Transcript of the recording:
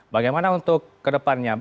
bagaimana untuk kedepannya